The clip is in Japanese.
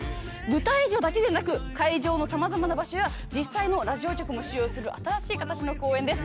舞台上だけでなく会場の様々な場所や実際のラジオ局も使用する新しい形の公演です